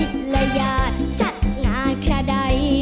มิตรและญาติจัดงานค่ะใด